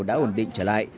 đã ổn định trở lại